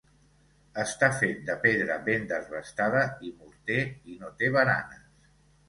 Està fet de pedra ben desbastada i morter i no té baranes.